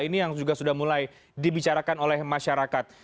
ini yang juga sudah mulai dibicarakan oleh masyarakat